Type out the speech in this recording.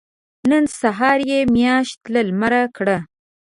نن سهار يې مياشت له لمره کړه.